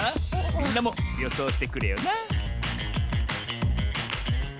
みんなもよそうしてくれよな